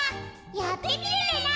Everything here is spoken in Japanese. やってみるレナ。